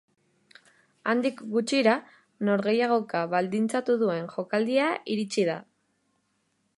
Handik gutxira norgehiagoka baldintzatu duen jokaldia iritsi da.